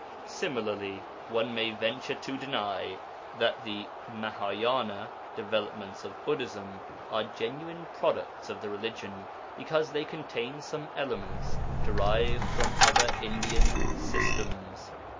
Similarly, one may venture to deny that the Mahâyâna developments of Buddhism are genuine products of the religion because they contain some elements derived from other Indian systems.